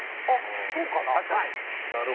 あっそうかな？